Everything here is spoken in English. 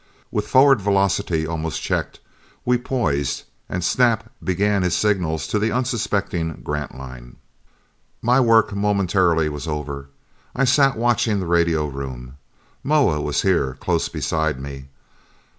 With forward velocity almost checked, we poised, and Snap began his signals to the unsuspecting Grantline. My work momentarily was over. I sat watching the radio room. Moa was here, close beside me.